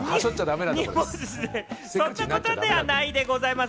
そんなことではないでございます。